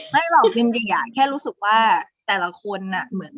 ไม่หรอกจิ๊กอยากแค่รู้สึกว่าแต่ละคนน่ะ